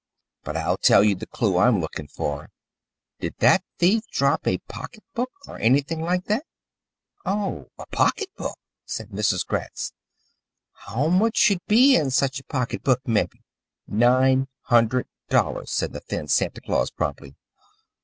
But I'll tell you the clue I'm looking for. Did that thief drop a pocketbook, or anything like that?" "Oh, a pocketbook!" said Mrs. Gratz. "How much should be in such a pocketbook, mebby?" "Nine hundred dollars," said the thin Santa Claus promptly.